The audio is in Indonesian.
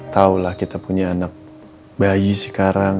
tahulah kita punya anak bayi sekarang